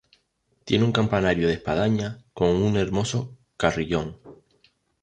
Tiene un campanario de espadaña con un hermoso carillón.